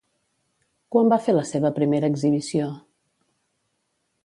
Quan va fer la seva primera exhibició?